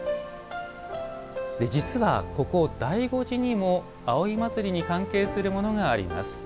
実は、ここ醍醐寺にも葵祭に関係するものがあります。